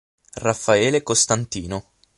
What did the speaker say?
Raffaele Costantino